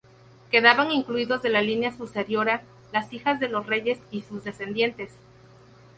Quedaban excluidos de la línea sucesoria las hijas de los reyes y sus descendientes.